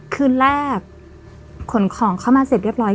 คืนแรกขนของเข้ามาเสร็จเรียบร้อย